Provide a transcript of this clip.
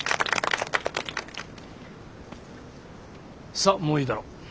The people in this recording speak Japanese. さっもういいだろう。